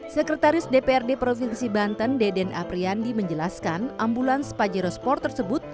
sekretaris dprd provinsi banten deden apriandi menjelaskan ambulans pajero sport tersebut